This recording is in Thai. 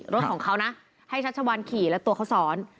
รถของเขานะให้ชัชวัลขี่และตัวเขาซ้อน